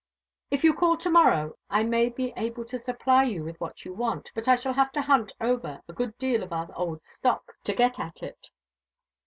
If you call to morrow I may be able to supply you with what you want; but I shall have to hunt over a good deal of our old stock to get at it."